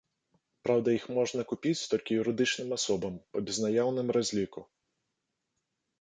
Праўда, іх можна купіць толькі юрыдычным асобам па безнаяўным разліку.